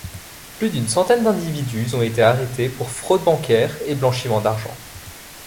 Plus d'une centaine d'individus ont été arrêtés pour fraudes bancaires et blanchiment d'argent.